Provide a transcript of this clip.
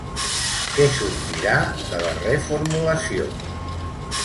Què sortirà de la reformulació?